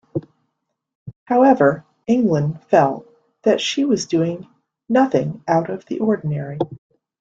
However, England felt that she was doing "nothing out of the ordinary".